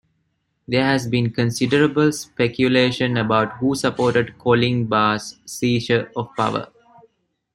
There has been considerable speculation about who supported Kolingba's seizure of power.